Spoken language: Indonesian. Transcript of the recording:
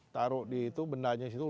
taruh di itu bendanya situ